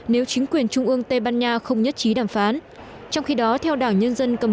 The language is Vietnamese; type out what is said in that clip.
nếu chính quyền trung ương tây ban nha không nhất trí đàm phán trong khi đó theo đảng nhân dân cầm